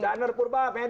janner purba medan